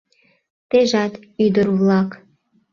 Тежат, ӱдыр-влак